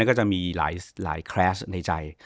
ก็จะมีหลายคลาสในใจ